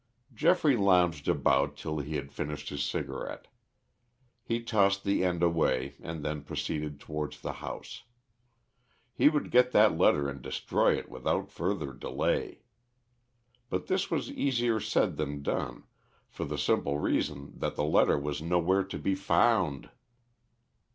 Geoffrey lounged about till he had finished his cigarette. He tossed the end away and then proceeded towards the house. He would get that letter and destroy it without further delay. But this was easier said than done, for the simple reason that the letter was nowhere to be found.